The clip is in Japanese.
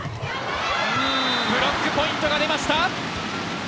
ブロックポイントが出ました。